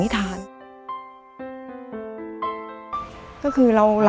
มันต้องการแล้วก็หายให้มัน